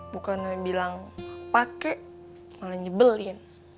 bukan bilang pakai malah nyebelin